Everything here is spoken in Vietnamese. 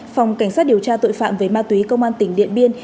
phòng cảnh sát điều tra tội phạm về ma túy công an tỉnh điện biên